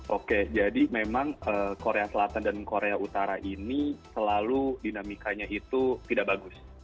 oke jadi memang korea selatan dan korea utara ini selalu dinamikanya itu tidak bagus